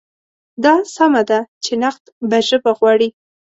دا سمه ده چې نقد به ژبه غواړي.